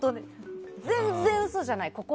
全然、嘘じゃない。